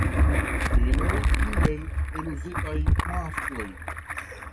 Inoj kiel eluzitaj maskloj.